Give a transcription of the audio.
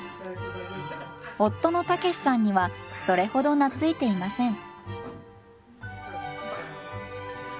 夫の毅さんにはそれほど懐いていません。